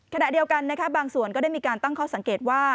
ขณะเดียวกันบางส่วนก็ได้มีการตั้งข้อสังเกตว่า